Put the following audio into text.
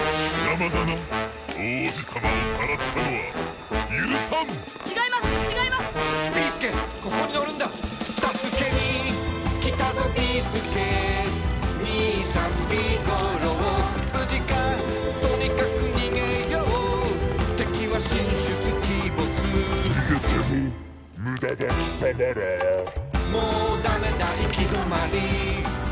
「もうだめだ行き止まり」